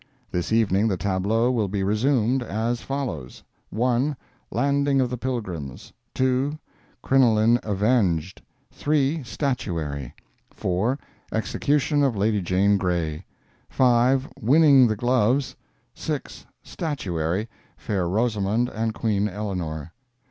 This evening the tableaux will be resumed, as follows: 1. Landing of the Pilgrims; 2. Crinoline Avenged; 3. Statuary; 4. Execution of Lady Jane Grey; 5. Winning the Gloves; 6. Statuary—Fair Rosamond and Queen Eleanor.